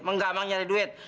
menggambang nyari duit